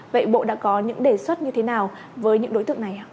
vậy bộ đã có những đề xuất như thế nào với những đối tượng này